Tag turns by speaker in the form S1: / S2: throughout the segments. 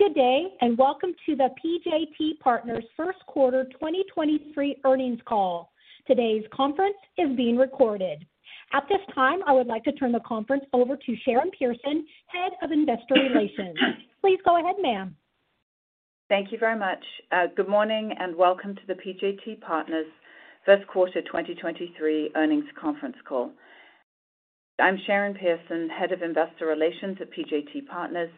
S1: Good day, welcome to the PJT Partners first quarter 2023 earnings call. Today's conference is being recorded. At this time, I would like to turn the conference over to Sharon Pearson, head of Investor Relations. Please go ahead, ma'am.
S2: Thank you very much. Good morning and welcome to the PJT Partners 1st quarter 2023 earnings conference call. I'm Sharon Pearson, Head of Investor Relations at PJT Partners, and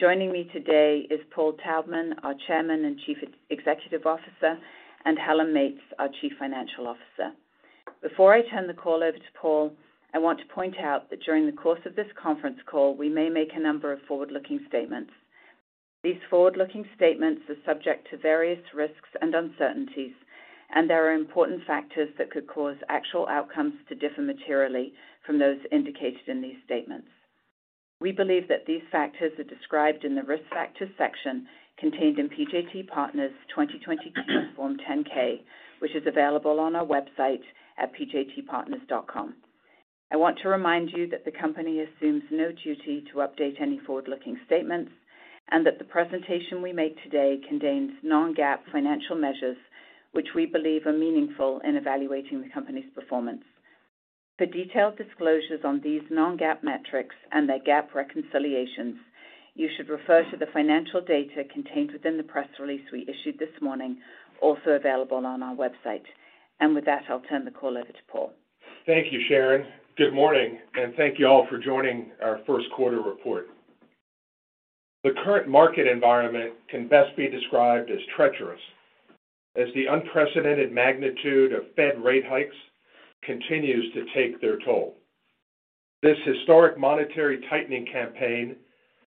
S2: joining me today is Paul Taubman, our Chairman and Chief Executive Officer, and Helen Meates, our Chief Financial Officer. Before I turn the call over to Paul, I want to point out that during the course of this conference call, we may make a number of forward-looking statements. These forward-looking statements are subject to various risks and uncertainties, and there are important factors that could cause actual outcomes to differ materially from those indicated in these statements. We believe that these factors are described in the Risk Factors section contained in PJT Partners 2023 Form 10-K, which is available on our website at pjtpartners.com. I want to remind you that the company assumes no duty to update any forward-looking statements and that the presentation we make today contains non-GAAP financial measures, which we believe are meaningful in evaluating the company's performance. For detailed disclosures on these non-GAAP metrics and their GAAP reconciliations, you should refer to the financial data contained within the press release we issued this morning, also available on our website. With that, I'll turn the call over to Paul.
S3: Thank you, Sharon. Good morning, and thank you all for joining our first quarter report. The current market environment can best be described as treacherous, as the unprecedented magnitude of Fed rate hikes continues to take their toll. This historic monetary tightening campaign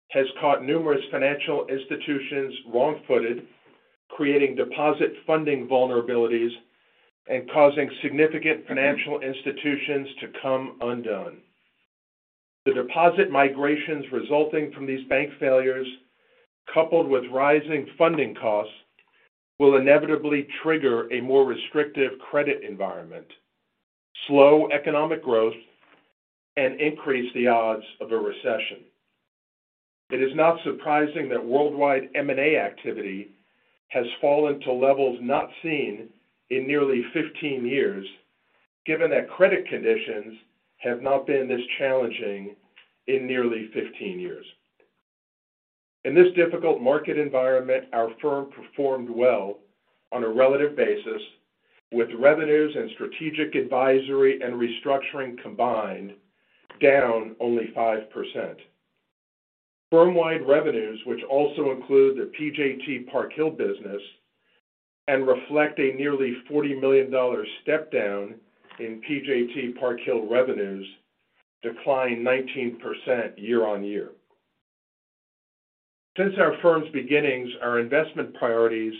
S3: has caught numerous financial institutions wrong-footed, creating deposit funding vulnerabilities and causing significant financial institutions to come undone. The deposit migrations resulting from these bank failures, coupled with rising funding costs, will inevitably trigger a more restrictive credit environment, slow economic growth, and increase the odds of a recession. It is not surprising that worldwide M&A activity has fallen to levels not seen in nearly 15 years, given that credit conditions have not been this challenging in nearly 15 years. In this difficult market environment, our firm performed well on a relative basis, with revenues and strategic advisory and restructuring combined down only 5%. Firm-wide revenues, which also include the PJT Park Hill business and reflect a nearly $40 million step down in PJT Park Hill revenues declined 19% year-on-year. Since our firm's beginnings, our investment priorities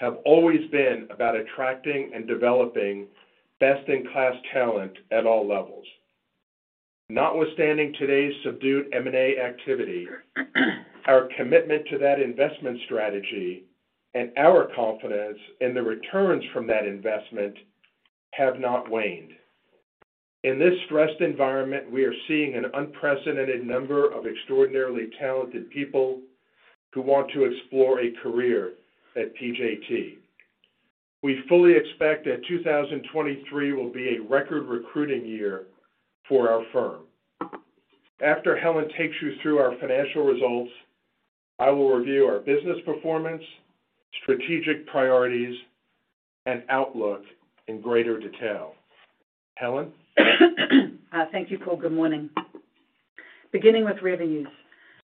S3: have always been about attracting and developing best-in-class talent at all levels. Notwithstanding today's subdued M&A activity, our commitment to that investment strategy and our confidence in the returns from that investment have not waned. In this stressed environment, we are seeing an unprecedented number of extraordinarily talented people who want to explore a career at PJT. We fully expect that 2023 will be a record recruiting year for our firm. After Helen takes you through our financial results, I will review our business performance, strategic priorities, and outlook in greater detail. Helen?
S4: Thank you, Paul Taubman. Good morning. Beginning with revenues.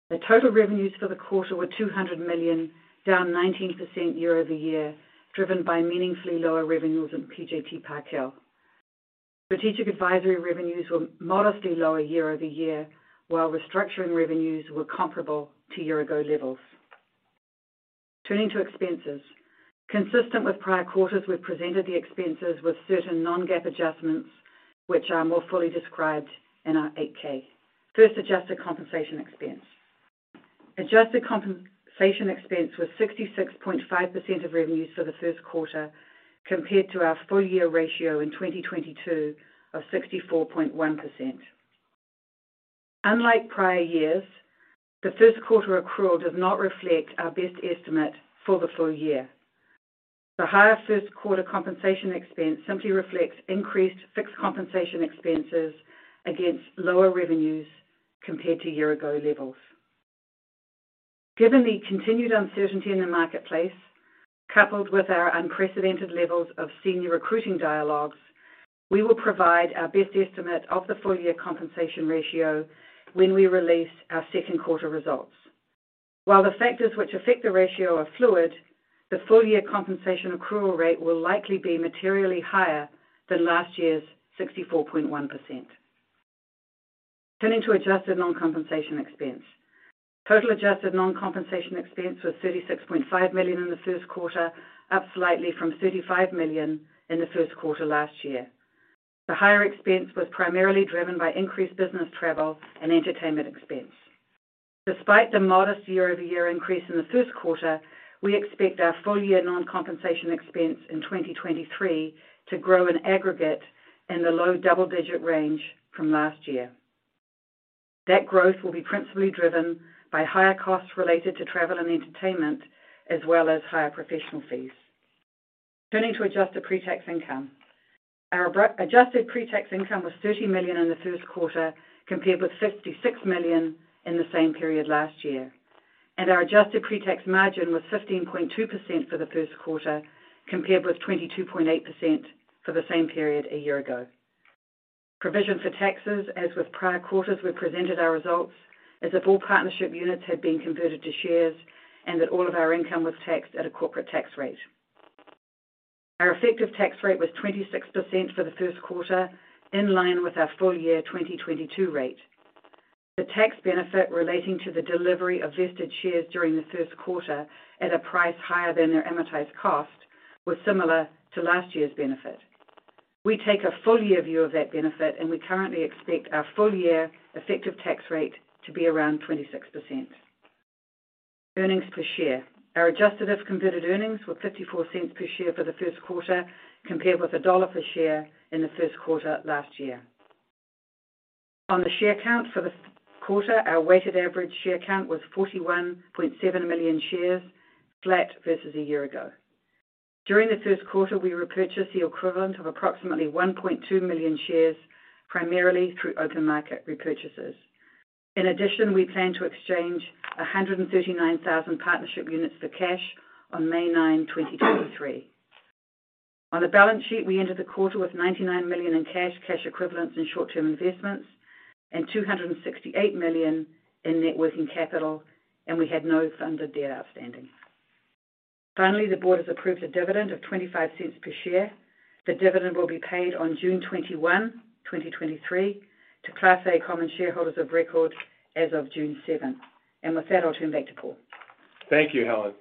S4: The total revenues for the quarter were $200 million, down 19% year-over-year, driven by meaningfully lower revenues in PJT Park Hill. Strategic advisory revenues were modestly lower year-over-year, while restructuring revenues were comparable to year-ago levels. Turning to expenses. Consistent with prior quarters, we've presented the expenses with certain non-GAAP adjustments, which are more fully described in our 8-K. First, adjusted compensation expense. Adjusted compensation expense was 66.5% of revenues for the first quarter, compared to our full year ratio in 2022 of 64.1%. Unlike prior years, the first quarter accrual does not reflect our best estimate for the full year. The higher first quarter compensation expense simply reflects increased fixed compensation expenses against lower revenues compared to year-ago levels. Given the continued uncertainty in the marketplace, coupled with our unprecedented levels of senior recruiting dialogues, we will provide our best estimate of the full year compensation ratio when we release our second quarter results. While the factors which affect the ratio are fluid, the full year compensation accrual rate will likely be materially higher than last year's 64.1%. Turning to adjusted non-compensation expense. Total adjusted non-compensation expense was $36.5 million in the first quarter, up slightly from $35 million in the first quarter last year. The higher expense was primarily driven by increased business travel and entertainment expense. Despite the modest year-over-year increase in the first quarter, we expect our full year non-compensation expense in 2023 to grow in aggregate in the low double-digit range from last year. That growth will be principally driven by higher costs related to travel and entertainment, as well as higher professional fees. Turning to adjusted pre-tax income. Our adjusted pretax income was $30 million in the first quarter, compared with $66 million in the same period last year. Our adjusted pretax margin was 15.2% for the first quarter, compared with 22.8% for the same period a year ago. Provision for taxes, as with prior quarters, we presented our results as if all partnership units had been converted to shares and that all of our income was taxed at a corporate tax rate. Our effective tax rate was 26% for the first quarter, in line with our full year 2022 rate. The tax benefit relating to the delivery of vested shares during the first quarter at a price higher than their amortized cost was similar to last year's benefit. We take a full year view of that benefit. We currently expect our full year effective tax rate to be around 26%. Earnings per share. Our adjusted if converted earnings were $0.54 per share for the first quarter, compared with $1 per share in the first quarter last year. On the share count for the quarter, our weighted average share count was 41.7 million shares, flat versus a year ago. During the first quarter, we repurchased the equivalent of approximately 1.2 million shares, primarily through open market repurchases. In addition, we plan to exchange 139,000 partnership units for cash on May 9, 2023. On the balance sheet, we entered the quarter with $99 million in cash equivalents, and short-term investments and $268 million in net working capital, and we had no funded debt outstanding. Finally, the board has approved a dividend of $0.25 per share. The dividend will be paid on June 21st, 2023 to Class A common shareholders of record as of June seventh. With that, I'll turn back to Paul.
S3: Thank you, Helen.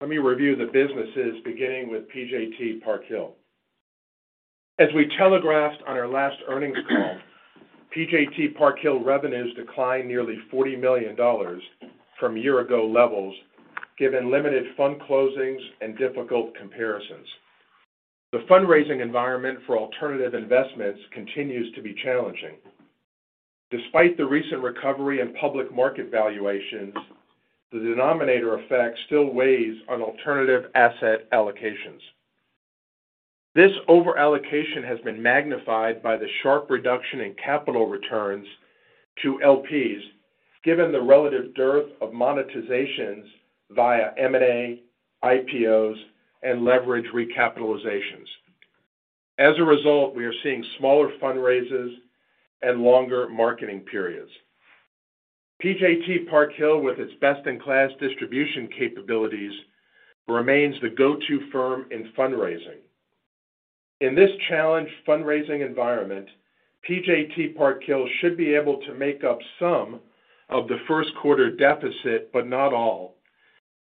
S3: Let me review the businesses beginning with PJT Park Hill. As we telegraphed on our last earnings call, PJT Park Hill revenues declined nearly $40 million from year-ago levels, given limited fund closings and difficult comparisons. The fundraising environment for alternative investments continues to be challenging. Despite the recent recovery in public market valuations, the denominator effect still weighs on alternative asset allocations. This over-allocation has been magnified by the sharp reduction in capital returns to LPs, given the relative dearth of monetizations via M&A, IPOs, and leverage recapitalizations. As a result, we are seeing smaller fundraisers and longer marketing periods. PJT Park Hill, with its best-in-class distribution capabilities, remains the go-to firm in fundraising. In this challenged fundraising environment, PJT Park Hill should be able to make up some of the first quarter deficit, but not all,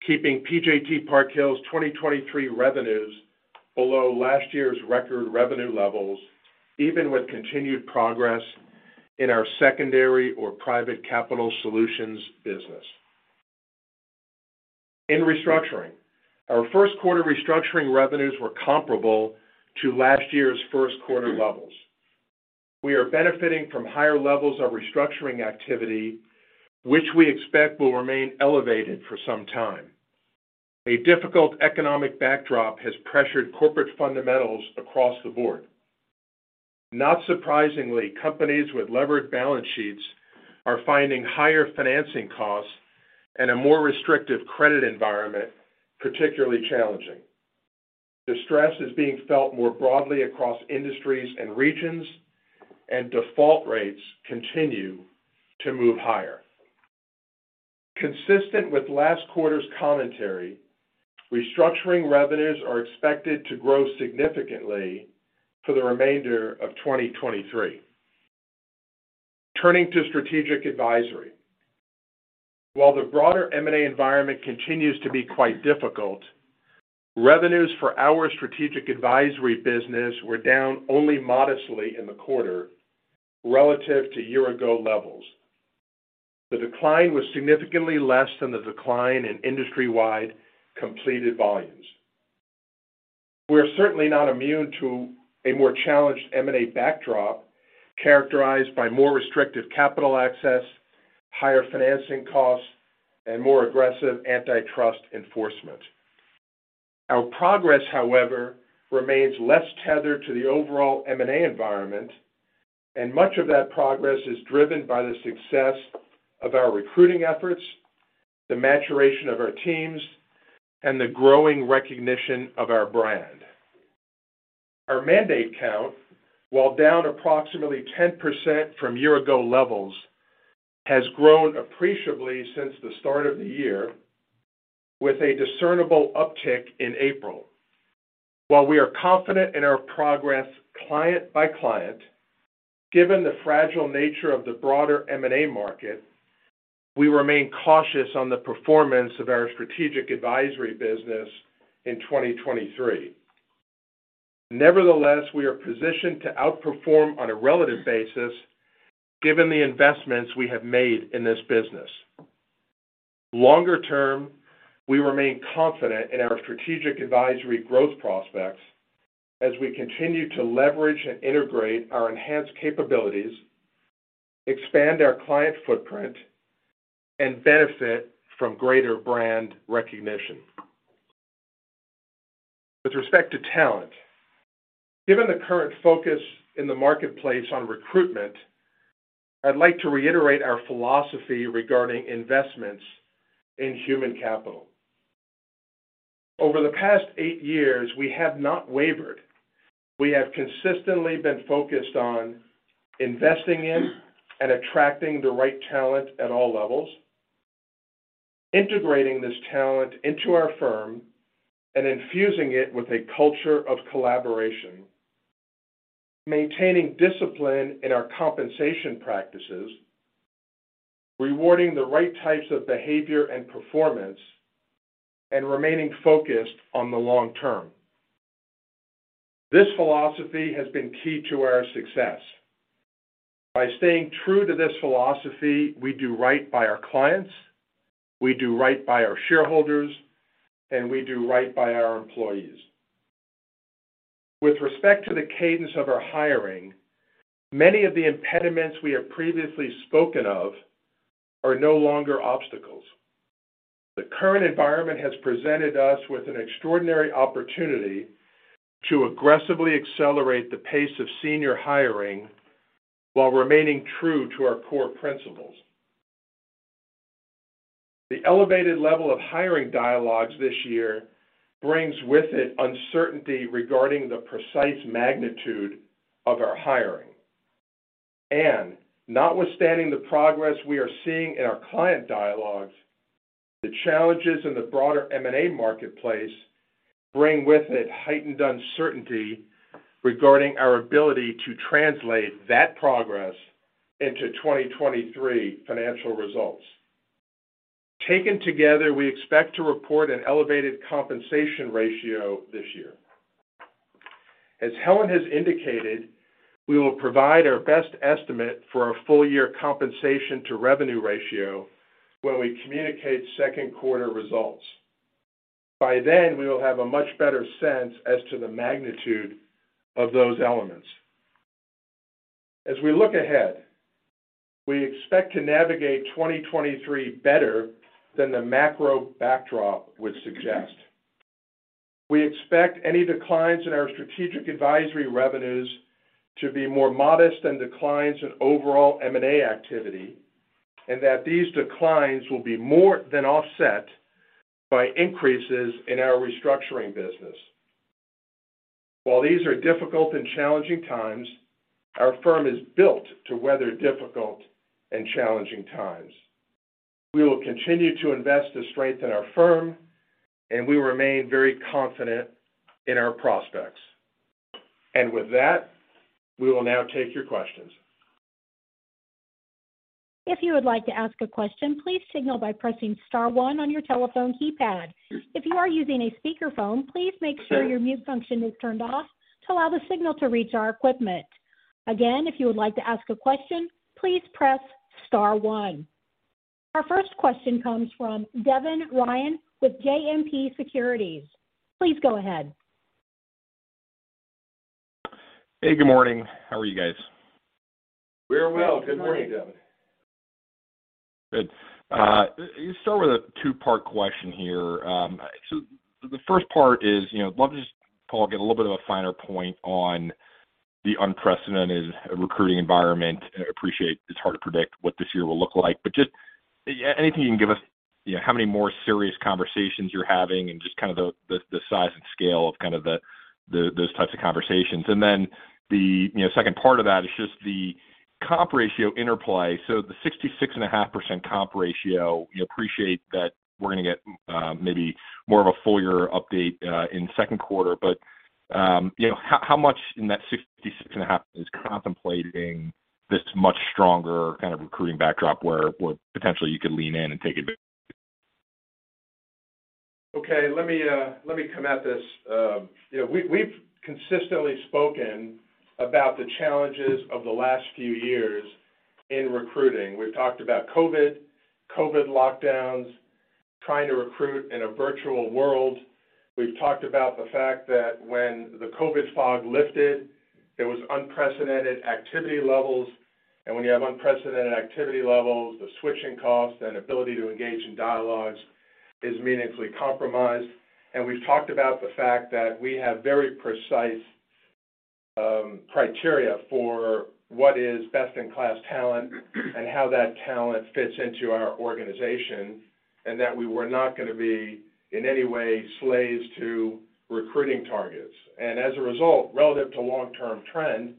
S3: keeping PJT Park Hill's 2023 revenues below last year's record revenue levels, even with continued progress in our secondary or private capital solutions business. In restructuring, our first quarter restructuring revenues were comparable to last year's first quarter levels. We are benefiting from higher levels of restructuring activity, which we expect will remain elevated for some time. A difficult economic backdrop has pressured corporate fundamentals across the board. Not surprisingly, companies with levered balance sheets are finding higher financing costs and a more restrictive credit environment particularly challenging. Distress is being felt more broadly across industries and regions, and default rates continue to move higher. Consistent with last quarter's commentary, restructuring revenues are expected to grow significantly for the remainder of 2023. Turning to strategic advisory. While the broader M&A environment continues to be quite difficult, revenues for our strategic advisory business were down only modestly in the quarter relative to year-ago levels. The decline was significantly less than the decline in industry-wide completed volumes. We're certainly not immune to a more challenged M&A backdrop characterized by more restrictive capital access, higher financing costs, and more aggressive antitrust enforcement. Our progress, however, remains less tethered to the overall M&A environment, and much of that progress is driven by the success of our recruiting efforts, the maturation of our teams, and the growing recognition of our brand. Our mandate count, while down approximately 10% from year-ago levels, has grown appreciably since the start of the year with a discernible uptick in April. While we are confident in our progress client by client, given the fragile nature of the broader M&A market, we remain cautious on the performance of our strategic advisory business in 2023. Nevertheless, we are positioned to outperform on a relative basis given the investments we have made in this business. Longer term, we remain confident in our strategic advisory growth prospects as we continue to leverage and integrate our enhanced capabilitiesExpand our client footprint and benefit from greater brand recognition. With respect to talent, given the current focus in the marketplace on recruitment, I'd like to reiterate our philosophy regarding investments in human capital. Over the past eight years, we have not wavered. We have consistently been focused on investing in and attracting the right talent at all levels, integrating this talent into our firm and infusing it with a culture of collaboration, maintaining discipline in our compensation practices, rewarding the right types of behavior and performance, and remaining focused on the long term. This philosophy has been key to our success. By staying true to this philosophy, we do right by our clients, we do right by our shareholders, and we do right by our employees. With respect to the cadence of our hiring, many of the impediments we have previously spoken of are no longer obstacles. The current environment has presented us with an extraordinary opportunity to aggressively accelerate the pace of senior hiring while remaining true to our core principles. The elevated level of hiring dialogues this year brings with it uncertainty regarding the precise magnitude of our hiring. Notwithstanding the progress we are seeing in our client dialogues, the challenges in the broader M&A marketplace bring with it heightened uncertainty regarding our ability to translate that progress into 2023 financial results. Taken together, we expect to report an elevated compensation ratio this year. As Helen has indicated, we will provide our best estimate for our full year compensation to revenue ratio when we communicate second quarter results. By then, we will have a much better sense as to the magnitude of those elements. As we look ahead, we expect to navigate 2023 better than the macro backdrop would suggest. We expect any declines in our strategic advisory revenues to be more modest than declines in overall M&A activity, and that these declines will be more than offset by increases in our restructuring business. While these are difficult and challenging times, our firm is built to weather difficult and challenging times. We will continue to invest to strengthen our firm, and we remain very confident in our prospects. With that, we will now take your questions.
S1: If you would like to ask a question, please signal by pressing star one on your telephone keypad. If you are using a speakerphone, please make sure your mute function is turned off to allow the signal to reach our equipment. Again, if you would like to ask a question, please press star one. Our first question comes from Devin Ryan with JMP Securities. Please go ahead.
S5: Hey, good morning. How are you guys?
S3: We're well. Good morning, Devin.
S5: Good. You start with a two-part question here. The first part is, you know, love to just, Paul, get a little bit of a finer point on the unprecedented recruiting environment. I appreciate it's hard to predict what this year will look like, but just anything you can give us, you know, how many more serious conversations you're having and just kind of the size and scale of kind of those types of conversations. The, you know, second part of that is just the comp ratio interplay. The 66.5% comp ratio, we appreciate that we're gonna get maybe more of a full year update in second quarter. You know, how much in that 66 and a half is contemplating this much stronger kind of recruiting backdrop where potentially you could lean in and take advantage?
S3: Okay. Let me, let me come at this. you know, we've consistently spoken about the challenges of the last few years in recruiting. We've talked about COVID lockdowns, trying to recruit in a virtual world. We've talked about the fact that when the COVID fog lifted, there was unprecedented activity levels. When you have unprecedented activity levels, the switching costs and ability to engage in dialogues is meaningfully compromised. We've talked about the fact that we have very precise, criteria for what is best-in-class talent and how that talent fits into our organization, and that we were not gonna be, in any way, slaves to recruiting targets. As a result, relative to long-term trend,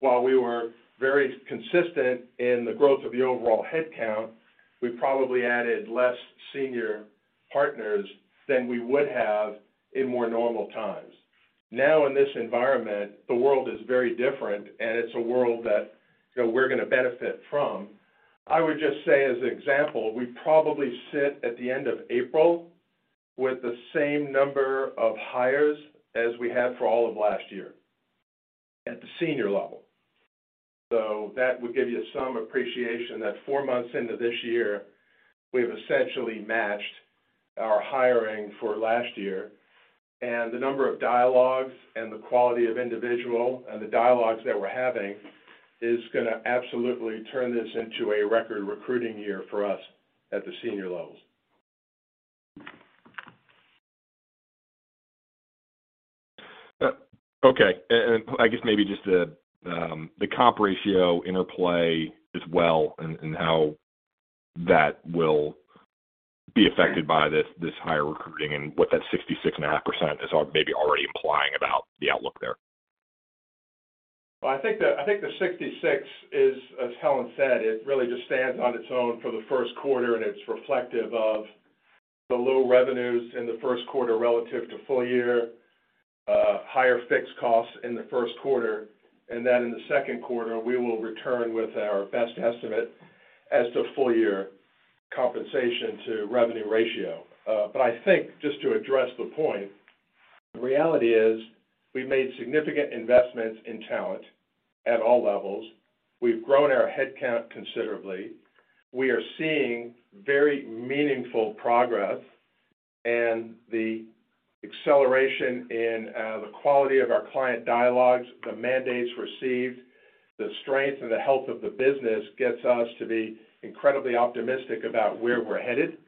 S3: while we were very consistent in the growth of the overall headcount, we probably added less senior partners than we would have in more normal times. In this environment, the world is very different. It's a world that, you know, we're gonna benefit from. I would just say, as an example, we probably sit at the end of April with the same number of hires as we had for all of last year at the senior level. That would give you some appreciation that four months into this year, we've essentially matched our hiring for last year and the number of dialogues and the quality of individual and the dialogues that we're having is going to absolutely turn this into a record recruiting year for us at the senior levels.
S5: Okay. I guess maybe just the comp ratio interplay as well and how that will be affected by this higher recruiting and what that 66.5% is maybe already implying about the outlook there.
S3: I think the 66 is, as Helen said, it really just stands on its own for the first quarter, it's reflective of the low revenues in the first quarter relative to full year, higher fixed costs in the first quarter. In the second quarter, we will return with our best estimate as to full year compensation to revenue ratio. I think just to address the point, the reality is we've made significant investments in talent at all levels. We've grown our headcount considerably. We are seeing very meaningful progress. The acceleration in the quality of our client dialogues, the mandates received, the strength and the health of the business gets us to be incredibly optimistic about where we're headed.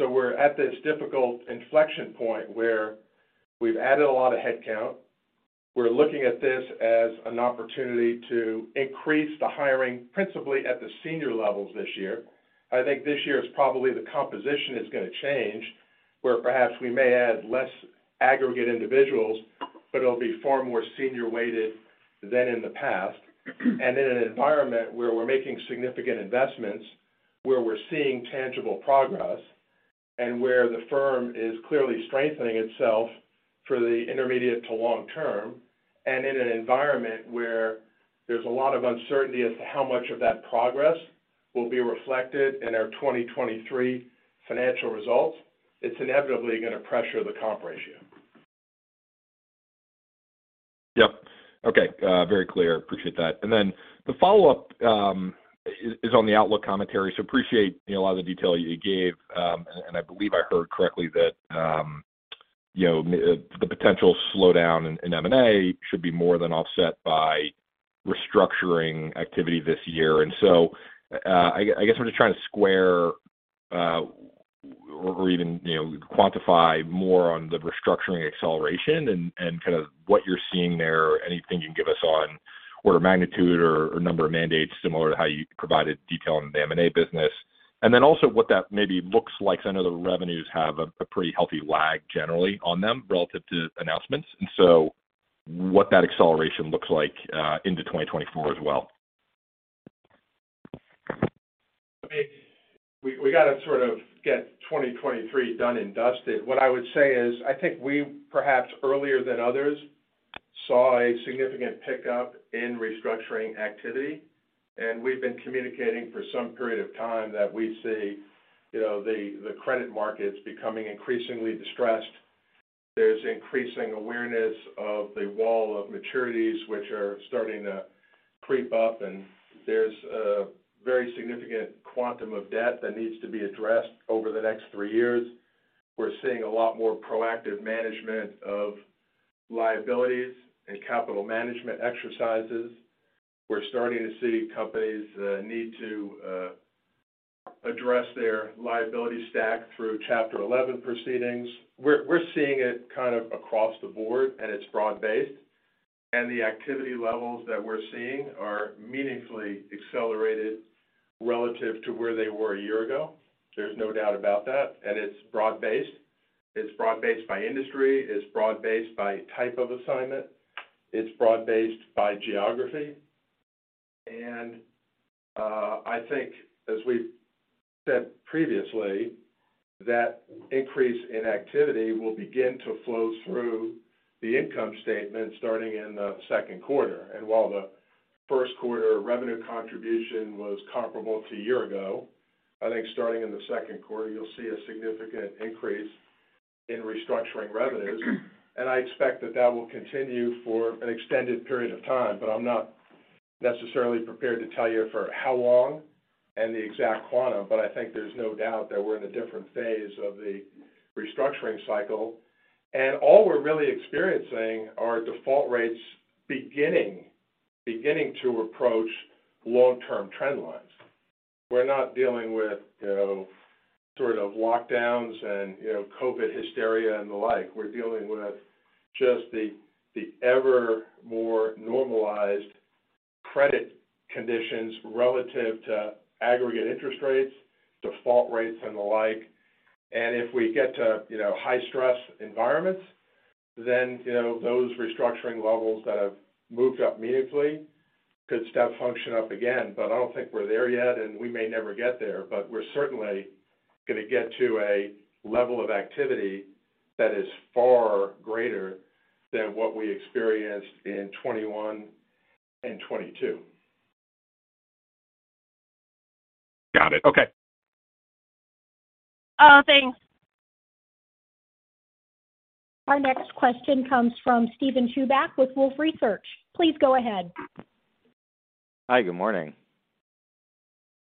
S3: We're at this difficult inflection point where we've added a lot of headcount. We're looking at this as an opportunity to increase the hiring principally at the senior levels this year. I think this year is probably the composition is going to change, where perhaps we may add less aggregate individuals, but it'll be far more senior weighted than in the past. In an environment where we're making significant investments, where we're seeing tangible progress, and where the firm is clearly strengthening itself for the intermediate to long-term. In an environment where there's a lot of uncertainty as to how much of that progress will be reflected in our 2023 financial results, it's inevitably going to pressure the comp ratio.
S5: Yep. Okay. Very clear. Appreciate that. Then the follow-up is on the outlook commentary. Appreciate, you know, a lot of the detail you gave, and I believe I heard correctly that, you know, the potential slowdown in M&A should be more than offset by restructuring activity this year. I guess I'm just trying to square or even, you know, quantify more on the restructuring acceleration and kind of what you're seeing there. Anything you can give us on order of magnitude or number of mandates similar to how you provided detail in the M&A business. Then also what that maybe looks like 'cause I know the revenues have a pretty healthy lag generally on them relative to announcements. What that acceleration looks like into 2024 as well.
S3: We got to sort of get 2023 done and dusted. What I would say is, I think we perhaps earlier than others saw a significant pickup in restructuring activity. We've been communicating for some period of time that we see, you know, the credit markets becoming increasingly distressed. There's increasing awareness of the wall of maturities which are starting to creep up. There's a very significant quantum of debt that needs to be addressed over the next three years. We're seeing a lot more proactive management of liabilities and capital management exercises. We're starting to see companies need to address their liability stack through Chapter 11 proceedings. We're seeing it kind of across the board. It's broad-based. The activity levels that we're seeing are meaningfully accelerated relative to where they were a year ago. There's no doubt about that. It's broad-based. It's broad-based by industry. It's broad-based by type of assignment. It's broad-based by geography. I think as we've said previously, that increase in activity will begin to flow through the income statement starting in the second quarter. While the first quarter revenue contribution was comparable to a year ago, I think starting in the second quarter, you'll see a significant increase in restructuring revenues. I expect that that will continue for an extended period of time. I'm not necessarily prepared to tell you for how long and the exact quantum, but I think there's no doubt that we're in a different phase of the restructuring cycle. All we're really experiencing are default rates beginning to approach long-term trend lines. We're not dealing with, you know, sort of lockdowns and, you know, COVID hysteria and the like. We're dealing with just the ever more normalized credit conditions relative to aggregate interest rates, default rates and the like. If we get to, you know, high-stress environments, then, you know, those restructuring levels that have moved up meaningfully could step function up again. I don't think we're there yet, and we may never get there. We're certainly going to get to a level of activity that is far greater than what we experienced in 2021 and 2022.
S5: Got it. Okay.
S3: Oh, thanks.
S1: Our next question comes from Steven Chubak with Wolfe Research. Please go ahead.
S6: Hi, good morning.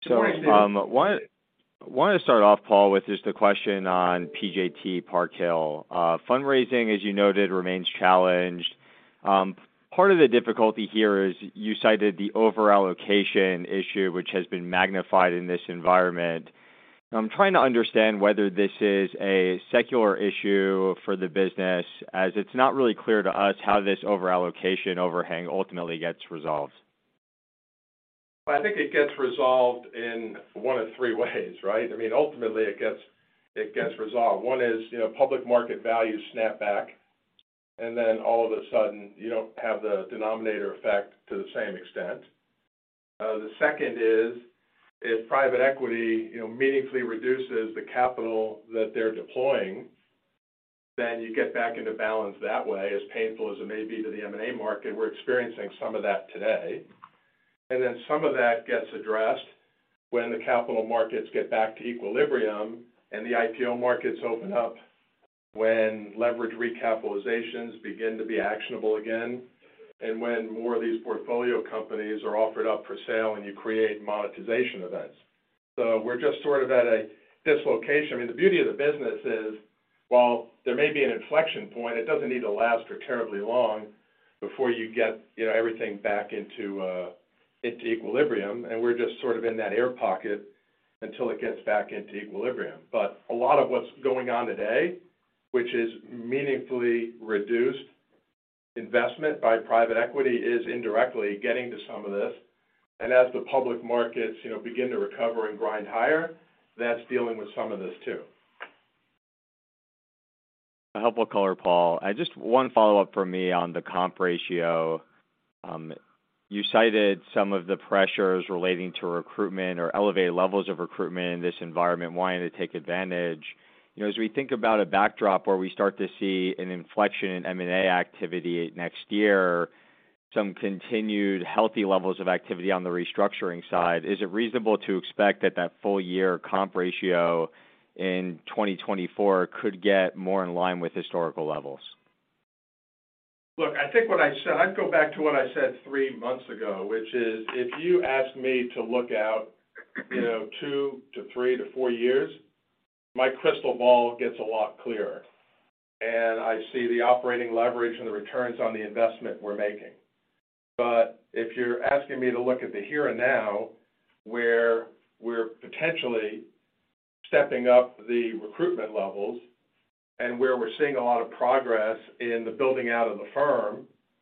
S3: Good morning, Steven.
S6: I want to start off, Paul, with just a question on PJT Park Hill. Fundraising, as you noted, remains challenged. Part of the difficulty here is you cited the overallocation issue, which has been magnified in this environment. I'm trying to understand whether this is a secular issue for the business, as it's not really clear to us how this overallocation overhang ultimately gets resolved.
S3: I think it gets resolved in one of three ways, right? I mean, ultimately it gets resolved. One is, you know, public market values snap back, and then all of a sudden, you don't have the denominator effect to the same extent. The second is, if private equity, you know, meaningfully reduces the capital that they're deploying, then you get back into balance that way, as painful as it may be to the M&A market. We're experiencing some of that today. Some of that gets addressed when the capital markets get back to equilibrium and the IPO markets open up when leverage recapitalizations begin to be actionable again, and when more of these portfolio companies are offered up for sale and you create monetization events. We're just sort of at a dislocation. I mean, the beauty of the business is, while there may be an inflection point, it doesn't need to last for terribly long before you get, you know, everything back into equilibrium. We're just sort of in that air pocket until it gets back into equilibrium. A lot of what's going on today, which is meaningfully reduced investment by private equity, is indirectly getting to some of this. As the public markets, you know, begin to recover and grind higher, that's dealing with some of this too.
S6: A helpful color, Paul. Just one follow-up from me on the comp ratio. You cited some of the pressures relating to recruitment or elevated levels of recruitment in this environment wanting to take advantage. You know, as we think about a backdrop where we start to see an inflection in M&A activity next year, some continued healthy levels of activity on the restructuring side, is it reasonable to expect that that full-year comp ratio in 2024 could get more in line with historical levels?
S3: Look, I think what I'd go back to what I said three months ago, which is, if you asked me to look out, you know, two to three to four years, my crystal ball gets a lot clearer. I see the operating leverage and the returns on the investment we're making. If you're asking me to look at the here and now, where we're potentially stepping up the recruitment levels and where we're seeing a lot of progress in the building out of the firm,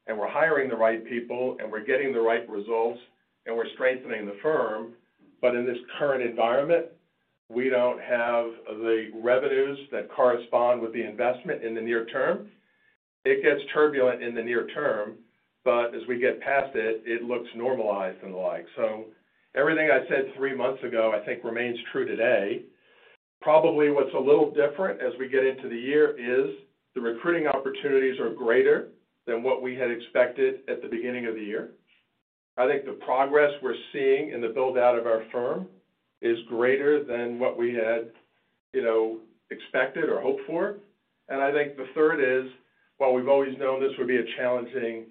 S3: and we're hiring the right people, and we're getting the right results, and we're strengthening the firm, but in this current environment, we don't have the revenues that correspond with the investment in the near term. It gets turbulent in the near term, but as we get past it looks normalized and the like. Everything I said three months ago, I think remains true today. Probably what's a little different as we get into the year is the recruiting opportunities are greater than what we had expected at the beginning of the year. I think the progress we're seeing in the build-out of our firm is greater than what we had, you know, expected or hoped for. I think the third is, while we've always known this would be a challenging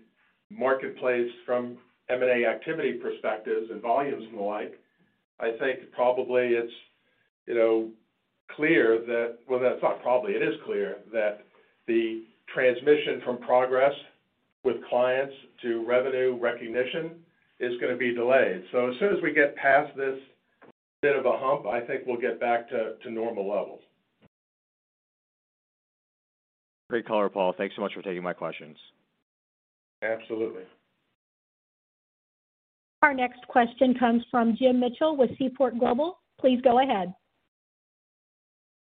S3: marketplace from M&A activity perspectives and volumes and the like, I think probably it's, you know, clear Well, it's not probably, it is clear that the transmission from progress with clients to revenue recognition is gonna be delayed. As soon as we get past this bit of a hump, I think we'll get back to normal levels.
S6: Great color, Paul. Thanks so much for taking my questions.
S3: Absolutely.
S1: Our next question comes from Jim Mitchell with Seaport Global. Please go ahead.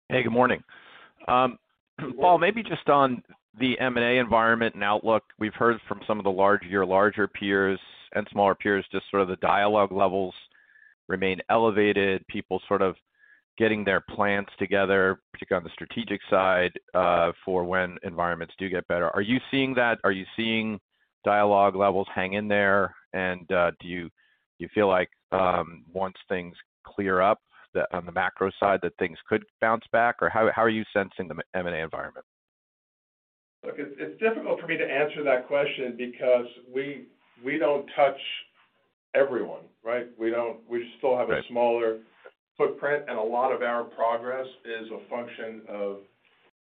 S7: Hey, good morning. Paul, maybe just on the M&A environment and outlook, we've heard from some of the larger peers and smaller peers, just sort of the dialogue levels remain elevated, people sort of getting their plans together, particularly on the strategic side, for when environments do get better. Are you seeing that? Are you seeing dialogue levels hang in there? Do you feel like, once things clear up, that on the macro side, that things could bounce back? Or how are you sensing the M&A environment?
S3: Look, it's difficult for me to answer that question because we don't touch everyone, right? We still have a smaller footprint, and a lot of our progress is a function of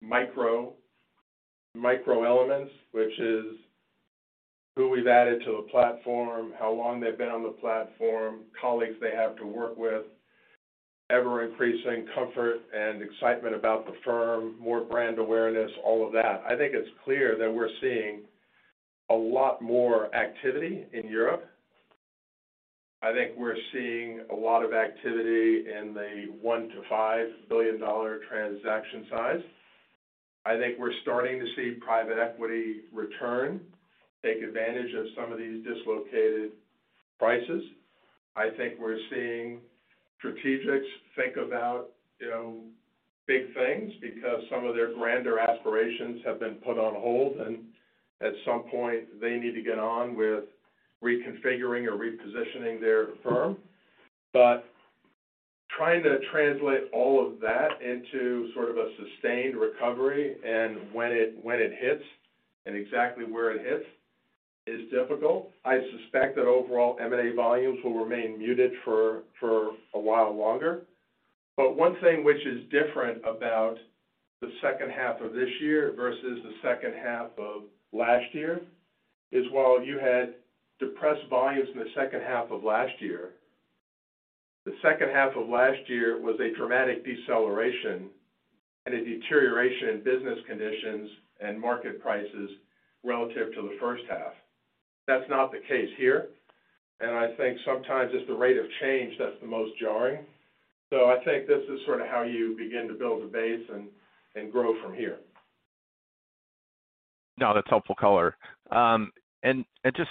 S3: micro elements, which is who we've added to the platform, how long they've been on the platform, colleagues they have to work with, ever-increasing comfort and excitement about the firm, more brand awareness, all of that. I think it's clear that we're seeing a lot more activity in Europe. I think we're seeing a lot of activity in the $1 billion-$5 billion transaction size. I think we're starting to see private equity return take advantage of some of these dislocated prices. I think we're seeing strategics think about, you know, big things because some of their grander aspirations have been put on hold, and at some point, they need to get on with reconfiguring or repositioning their firm. Trying to translate all of that into sort of a sustained recovery and when it hits and exactly where it hits is difficult. I suspect that overall M&A volumes will remain muted for a while longer. One thing which is different about the second half of this year versus the second half of last year is while you had depressed volumes in the second half of last year, the second half of last year was a dramatic deceleration and a deterioration in business conditions and market prices relative to the first half. That's not the case here. I think sometimes it's the rate of change that's the most jarring. I think this is sort of how you begin to build a base and grow from here.
S7: No, that's helpful color. Just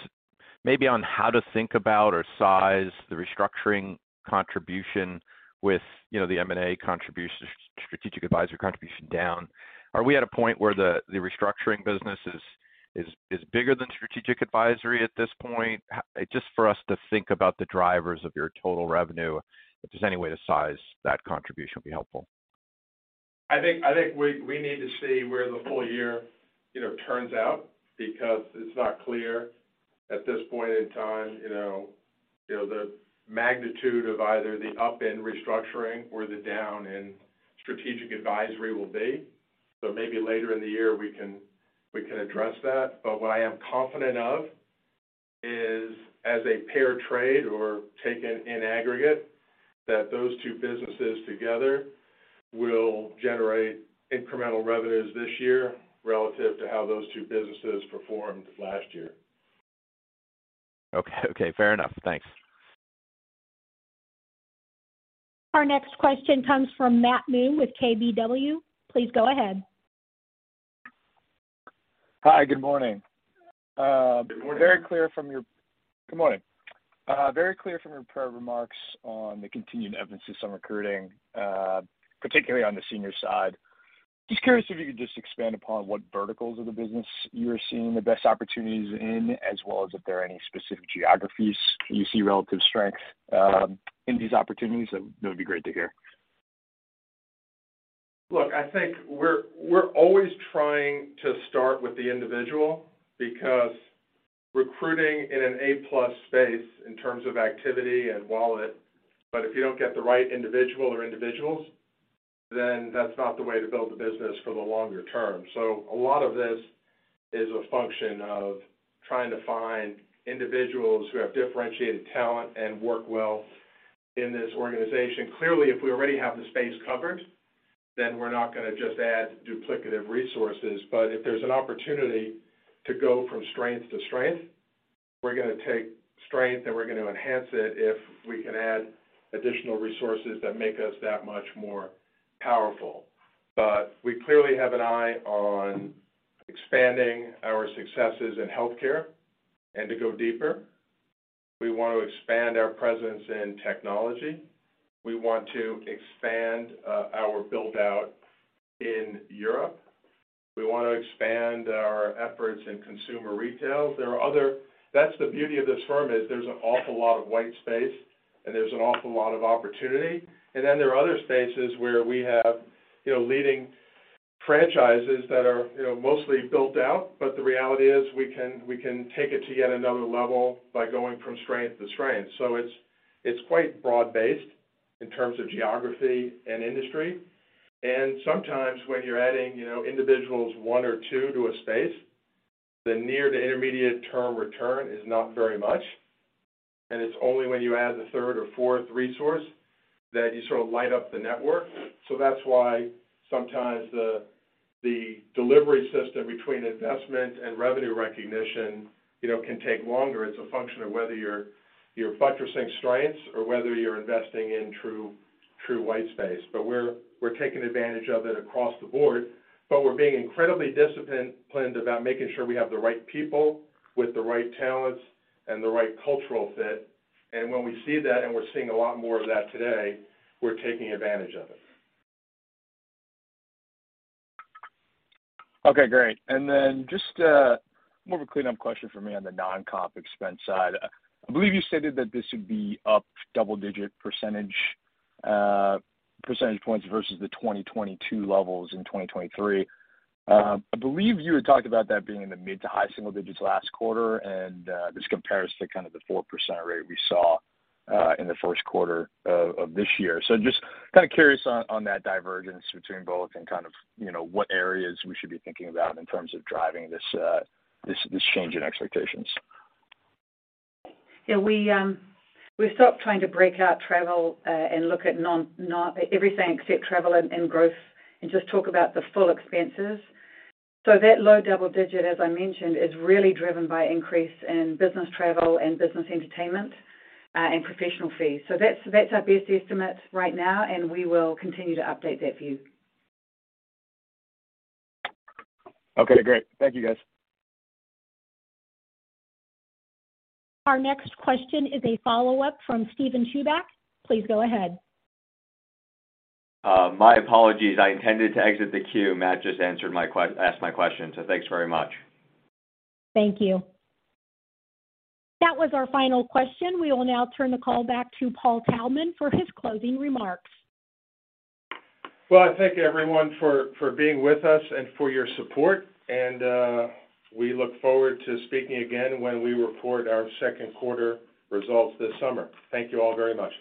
S7: maybe on how to think about or size the restructuring contribution with, you know, the M&A contribution, strategic advisory contribution down. Are we at a point where the restructuring business is bigger than strategic advisory at this point? Just for us to think about the drivers of your total revenue, if there's any way to size that contribution would be helpful.
S3: I think we need to see where the full year, you know, turns out because it's not clear at this point in time, you know, the magnitude of either the up in restructuring or the down in strategic advisory will be. Maybe later in the year we can address that. What I am confident of is, as a pair trade or taken in aggregate, that those two businesses together will generate incremental revenues this year relative to how those two businesses performed last year.
S7: Okay. Okay, fair enough. Thanks.
S1: Our next question comes from Matthew Moon with KBW. Please go ahead.
S8: Hi. Good morning.
S3: Good morning.
S8: Good morning. Very clear from your prior remarks on the continued emphasis on recruiting, particularly on the senior side. Just curious if you could just expand upon what verticals of the business you're seeing the best opportunities in, as well as if there are any specific geographies you see relative strength in these opportunities, that would be great to hear.
S3: Look, I think we're always trying to start with the individual because recruiting in an A-plus space in terms of activity and wallet, but if you don't get the right individual or individuals, then that's not the way to build the business for the longer term. A lot of this is a function of trying to find individuals who have differentiated talent and work well in this organization. Clearly, if we already have the space covered, then we're not gonna just add duplicative resources. If there's an opportunity to go from strength to strength, we're gonna take strength, and we're gonna enhance it if we can add additional resources that make us that much more powerful. We clearly have an eye on expanding our successes in healthcare and to go deeper. We want to expand our presence in technology. We want to expand our build-out in Europe. We want to expand our efforts in consumer retail. There are other. That's the beauty of this firm, is there's an awful lot of white space, and there's an awful lot of opportunity. There are other spaces where we have, you know, leading franchises that are, you know, mostly built out. The reality is, we can take it to yet another level by going from strength to strength. It's quite broad-based in terms of geography and industry. Sometimes when you're adding, you know, individuals one or two to a space, the near to intermediate term return is not very much. It's only when you add the third or fourth resource that you sort of light up the network. That's why sometimes the delivery system between investment and revenue recognition, you know, can take longer. It's a function of whether you're buttressing strengths or whether you're investing in true white space. We're, we're taking advantage of it across the board, but we're being incredibly disciplined about making sure we have the right people with the right talents and the right cultural fit. When we see that, and we're seeing a lot more of that today, we're taking advantage of it.
S8: Okay, great. Then just more of a cleanup question for me on the non-comp expense side. I believe you stated that this would be up double-digit percentage percentage points versus the 2022 levels in 2023. I believe you had talked about that being in the mid to high single digits last quarter, and this compares to kind of the 4% rate we saw in the first quarter of this year. Just kinda curious on that divergence between both and kind of, you know, what areas we should be thinking about in terms of driving this change in expectations.
S4: Yeah, we stopped trying to break out travel and look at everything except travel and growth and just talk about the full expenses. That low double digit, as I mentioned, is really driven by increase in business travel and business entertainment and professional fees. That's our best estimate right now, and we will continue to update that view.
S8: Okay, great. Thank you, guys.
S1: Our next question is a follow-up from Steven Chubak. Please go ahead.
S6: My apologies. I intended to exit the queue. Matt just asked my question, thanks very much.
S1: Thank you. That was our final question. We will now turn the call back to Paul Taubman for his closing remarks.
S3: Well, I thank everyone for being with us and for your support. We look forward to speaking again when we report our second quarter results this summer. Thank you all very much.